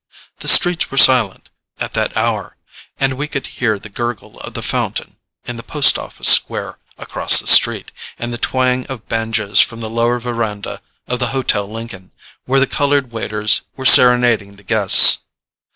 The streets were silent at that hour, and we could hear the gurgle of the fountain in the Post Office square across the street, and the twang of banjos from the lower verandah of the Hotel Lincoln, where the colored waiters were serenading the guests.